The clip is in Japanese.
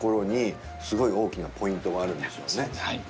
はい。